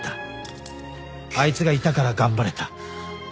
あいつがいたから頑張れた。